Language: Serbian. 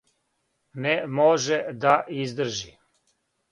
Не може да издржи.